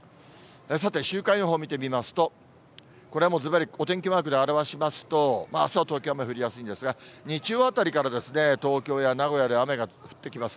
さて、週間予報を見てみますと、これはもう、ずばりお天気マークで表しますと、あすは東京、雨降りやすいですが、日曜あたりから東京や名古屋で雨が降ってきます。